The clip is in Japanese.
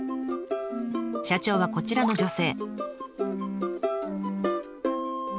社長はこちらの女性。